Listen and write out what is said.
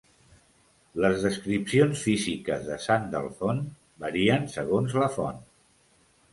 Les descripcions físiques de Sandalphon varien segons la font.